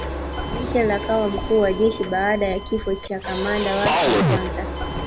Machel akawa mkuu wa jeshi baada ya kifo cha kamanda wake wa kwanza